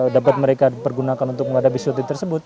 dapat mereka pergunakan untuk menghadapi syuting tersebut